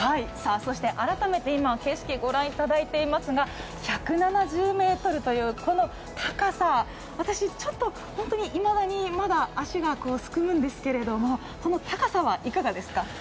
改めて今、景色を御覧いただいていますが、１７０ｍという高さ、私、ちょっといまだにまだ、足がすくむんですけれども、この高さはいかがですか？